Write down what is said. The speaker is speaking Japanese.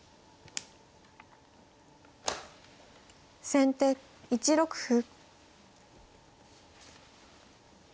先手１六歩。